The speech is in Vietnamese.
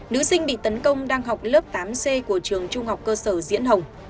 nữ sinh bị tấn công đang học lớp tám c của trường trung học cơ sở diễn hồng